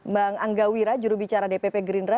bang angga wira jurubicara dpp gerindra